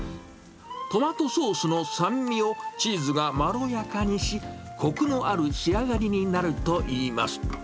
トマトソースの酸味をチーズがまろやかにし、こくのある仕上がりになるといいます。